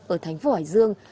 ở thành phố hải dương